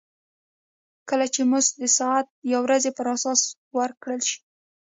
کله چې مزد د ساعت یا ورځې پر اساس ورکړل شي